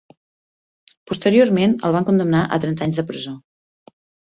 Posteriorment, el van condemnar a trenta anys de presó.